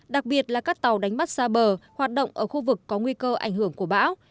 đặc biệt là các tàu đánh bắt xa bờ hoạt động ở khu vực có nguy cơ ảnh hưởng của bão